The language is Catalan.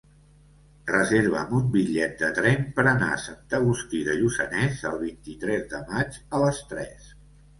Reserva'm un bitllet de tren per anar a Sant Agustí de Lluçanès el vint-i-tres de maig a les tres.